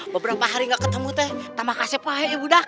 beberapa hari tidak bertemu tapi kasih banyak ya budak